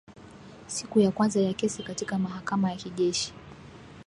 Siku ya kwanza ya kesi katika mahakama ya kijeshi